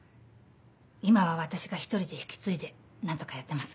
今は私が１人で引き継いで何とかやってます。